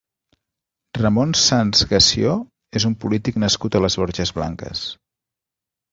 Ramon Sans Gassio és un polític nascut a les Borges Blanques.